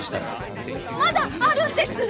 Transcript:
まだあるんです！